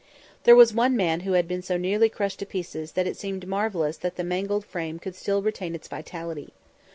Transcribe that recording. There was one man who had been so nearly crushed to pieces, that it seemed marvellous that the mangled frame could still retain its vitality.